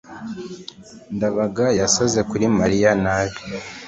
ndabaga yasaze kuri mariya nabi